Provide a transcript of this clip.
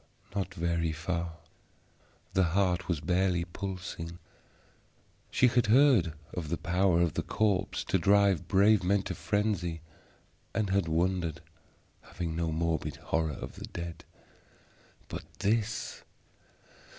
Not very far; the heart was barely pulsing. She had heard of the power of the corpse to drive brave men to frenzy, and had wondered, having no morbid horror of the dead. But this!